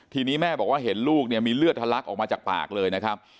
ทีนี้แม่บอกว่าเห็นลูกเนี่ยมีเลือดทะลักออกมาจากปากเลยนะครับ